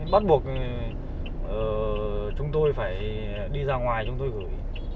bắt buộc chúng tôi phải đi ra ngoài chúng tôi gửi